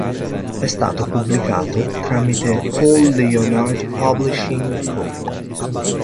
È stato pubblicato tramite Hal Leonard Publishing Co.